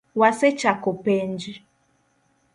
Wasechako penj